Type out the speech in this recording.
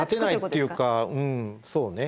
うんそうね。